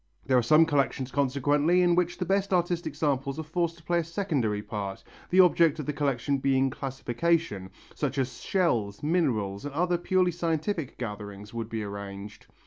There are some collections consequently in which the best artistic samples are forced to play a secondary part, the object of the collection being classification, just as shells, minerals and other purely scientific gatherings would be arranged.